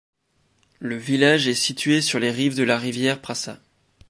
Le village est situé sur les rives de la rivière Prača.